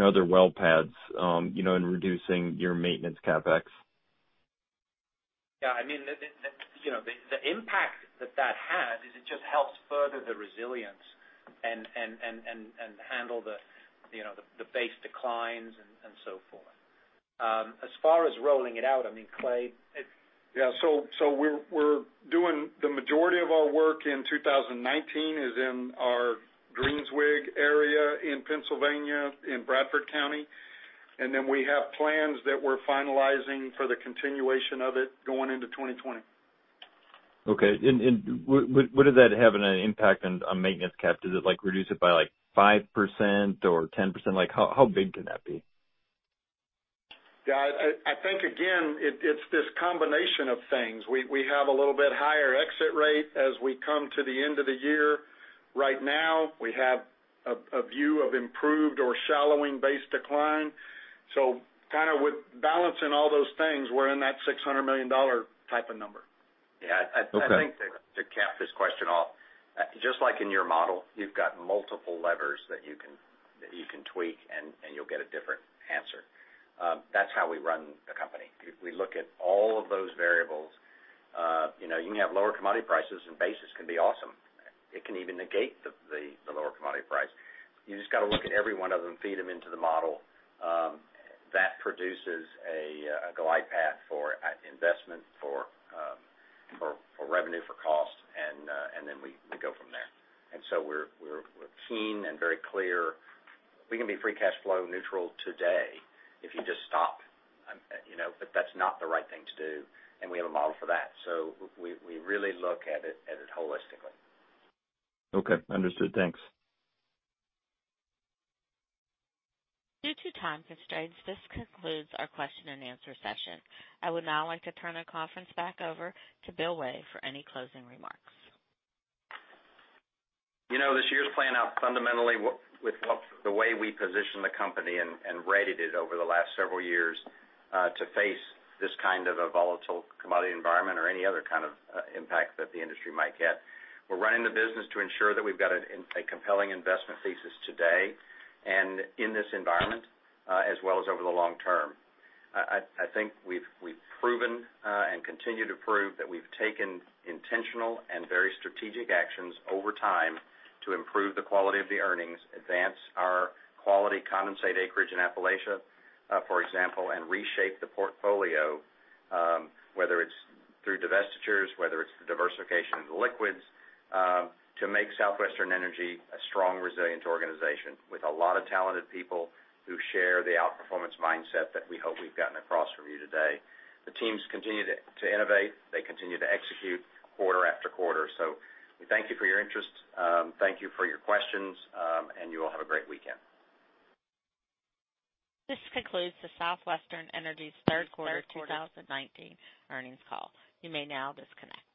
other well pads, in reducing your maintenance CapEx? The impact that has is it just helps further the resilience and handle the base declines and so forth. As far as rolling it out, Clay? Yeah. We're doing the majority of our work in 2019 is in our Greenzweig area in Pennsylvania, in Bradford County. We have plans that we're finalizing for the continuation of it going into 2020. Okay. Would that have an impact on maintenance cap? Does it reduce it by 5% or 10%? How big can that be? Yeah. I think, again, it's this combination of things. We have a little bit higher exit rate as we come to the end of the year. Right now, we have a view of improved or shallowing base decline. Balancing all those things, we're in that $600 million type of number. Yeah. Okay. I think to cap this question off, just like in your model, you've got multiple levers that you can tweak, and you'll get a different answer. That's how we run the company. We look at all of those variables. You can have lower commodity prices, and basis can be awesome. It can even negate the lower commodity price. You've just got to look at every one of them, feed them into the model. That produces a glide path for investment, for revenue, for cost, and then we go from there. We're keen and very clear. We can be free cash flow neutral today if you just stop. That's not the right thing to do, and we have a model for that. We really look at it holistically. Okay, understood. Thanks. Due to time constraints, this concludes our question and answer session. I would now like to turn the conference back over to Bill Way for any closing remarks. This year's playing out fundamentally with the way we position the company and rated it over the last several years to face this kind of a volatile commodity environment or any other kind of impact that the industry might get. We're running the business to ensure that we've got a compelling investment thesis today and in this environment, as well as over the long term. I think we've proven and continue to prove that we've taken intentional and very strategic actions over time to improve the quality of the earnings, advance our quality condensate acreage in Appalachia, for example, and reshape the portfolio, whether it's through divestitures, whether it's the diversification into liquids, to make Southwestern Energy a strong, resilient organization with a lot of talented people who share the outperformance mindset that we hope we've gotten across from you today. The teams continue to innovate. They continue to execute quarter after quarter. We thank you for your interest. Thank you for your questions, and you all have a great weekend. This concludes the Southwestern Energy third quarter 2019 earnings call. You may now disconnect.